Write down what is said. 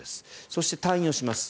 そして、退院します。